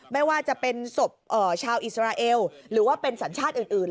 ไม่ว่าจะเป็นศพชาวอิสราเอลหรือว่าเป็นสัญชาติอื่น